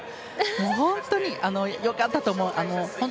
本当によかったと思う。